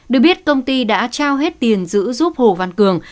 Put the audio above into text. được biết công ty đã trao hết tiền giữ giúp hồ văn cường